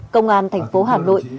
công an thành phố hà nội